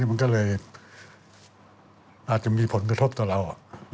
มันก็เลยอาจจะมีผลกระทบต่อเรา